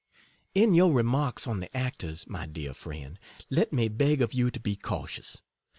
In your remarks on the actors, my dear friend, let me beg of you to be cautious.